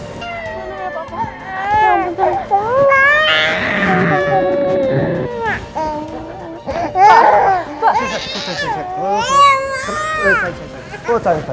gak usah ya papa